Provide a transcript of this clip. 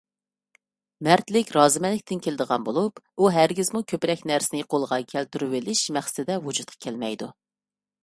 مەردلىك رازىمەنلىكتىن كېلىدىغان بولۇپ، ئۇ ھەرگىزمۇ كۆپرەك نەرسىنى قولغا كەلتۈرۈۋېلىش مەقسىتىدە ۋۇجۇدقا كەلمەيدۇ.